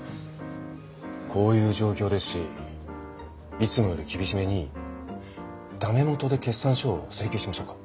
こういう状況ですしいつもより厳しめにダメもとで決算書を請求しましょうか？